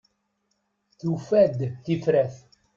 Tufa-d tifrat.